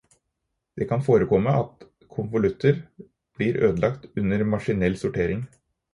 Det kan forekomme at konvolutter blir ødelagt under maskinell sortering.